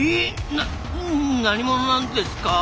な何者なんですか？